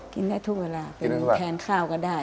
กินได้ทุกเวลาเป็นแทนข้าวก็ได้